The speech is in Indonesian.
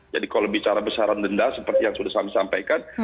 jadi kalau bicara besaran denda seperti yang sudah saya sampaikan